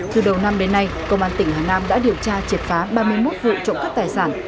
từ đầu năm đến nay công an tỉnh hà nam đã điều tra triệt phá ba mươi một vụ trộm cắp tài sản